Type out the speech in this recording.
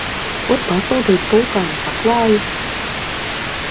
Kur pasūtīt pūkainu paklāju?